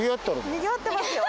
にぎわってますよ。